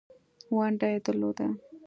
ونډه یې درلوده.